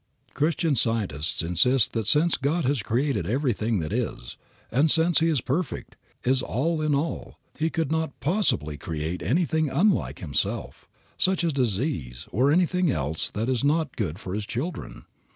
Christian Scientists insist that since God has created everything that is, and since He is perfect, is all in all, He could not possibly create anything unlike Himself, such as disease, or anything else which is not good for His children.